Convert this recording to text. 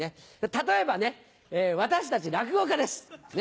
例えばね私たち落語家です。